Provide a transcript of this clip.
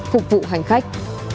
phục vụ hành khách